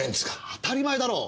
当たり前だろ。